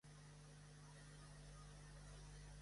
Guarda-espatlles que no són, en principi, ni mantons ni matons.